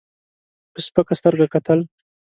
په سپکه سترګه کتل.